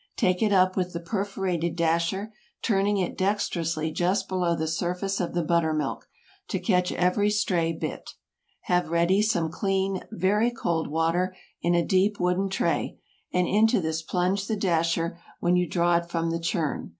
Take it up with the perforated dasher, turning it dexterously just below the surface of the butter milk, to catch every stray bit. Have ready some clean, very cold water, in a deep wooden tray, and into this plunge the dasher when you draw it from the churn.